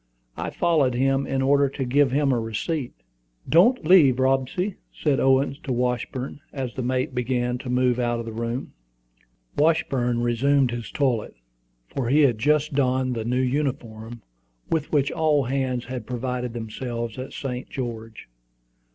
I followed him, in order to give him a receipt. "Don't leave, Robsy," said Owen to Washburn, as the mate began to move out of the room. Washburn resumed his toilet, for he had just donned the new uniform, with which all hands had provided themselves at St. George.